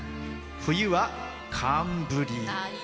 冬は寒ブリ。